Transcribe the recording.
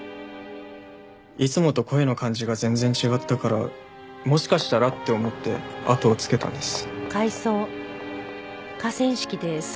いつもと声の感じが全然違ったからもしかしたらって思って後をつけたんです。